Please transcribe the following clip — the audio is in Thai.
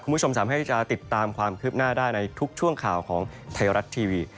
คุณผู้ชมสามารถที่จะติดตามความคืบหน้าได้ในทุกช่วงข่าวของไทยรัฐทีวี